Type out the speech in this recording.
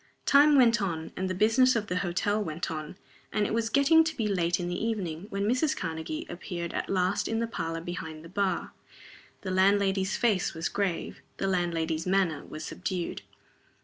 Time went on, and the business of the hotel went on, and it was getting to be late in the evening, when Mrs. Karnegie appeared at last in the parlor behind the bar. The landlady's face was grave, the landlady's manner was subdued.